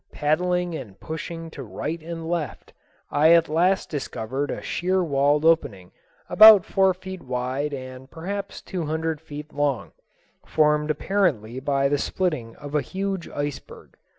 Paddling and pushing to right and left, I at last discovered a sheer walled opening about four feet wide and perhaps two hundred feet long, formed apparently by the splitting of a huge iceberg.